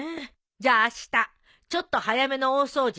じゃああしたちょっと早めの大掃除